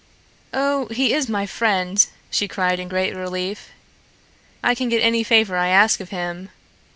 "Oh, he is my friend," she cried in great relief. "I can get any favor I ask of him.